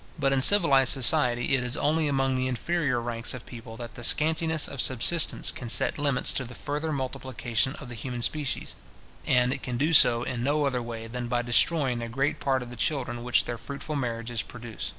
But in civilized society, it is only among the inferior ranks of people that the scantiness of subsistence can set limits to the further multiplication of the human species; and it can do so in no other way than by destroying a great part of the children which their fruitful marriages produce.